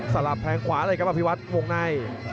สลับแทงขวาเลยครับอภิวัตวงใน